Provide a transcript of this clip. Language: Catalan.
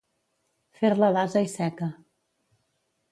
Fer-la d'ase i seca.